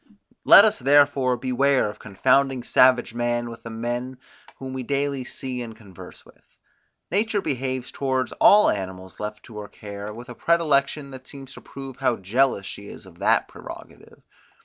Let us therefore beware of confounding savage man with the men, whom we daily see and converse with. Nature behaves towards all animals left to her care with a predilection, that seems to prove how jealous she is of that prerogative.